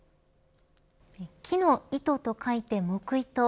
木の糸と書いて木糸。